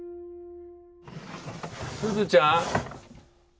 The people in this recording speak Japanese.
すずちゃん。